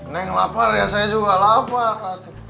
neng lapar ya saya juga lapar